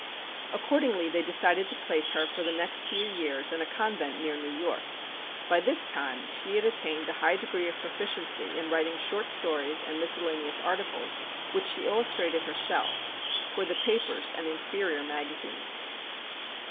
Accordingly they decided to place her for the next few years in a convent near New York. By this time she had attained a high degree of proficiency in writing short stories and miscellaneous articles, which she illustrated herself, for the papers and inferior magazines.